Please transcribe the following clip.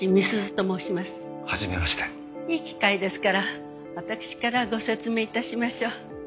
いい機会ですから私からご説明致しましょう。